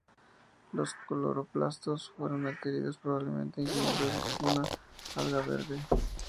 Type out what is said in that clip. Los cloroplastos fueron adquiridos probablemente ingiriendo algún alga verde.